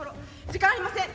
時間ありません。